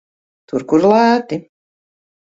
Tur, kur lēti.